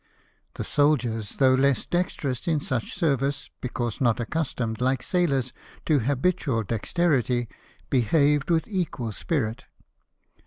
The soldiers, though less dexterous in such service, because not accustomed, like sailors, to habitual dexterity, behaved with equal spirit.